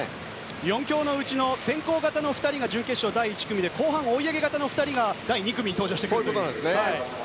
４強のうちの先行型の２人が準決勝第１組で後半、追い上げ型の２人が第２組に登場してくると。